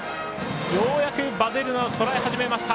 ようやくヴァデルナをとらえ始めました。